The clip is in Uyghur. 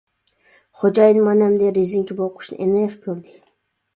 خوجايىن مانا ئەمدى رېزىنكە بوغقۇچنى ئېنىق كۆردى.